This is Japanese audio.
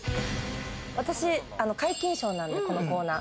私、皆勤賞なんで、このコーナー。